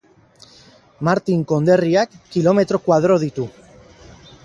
Martin konderriak kilometro koadro ditu.